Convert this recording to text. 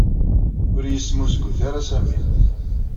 Ur iyi-yesmuzgut ara Sami.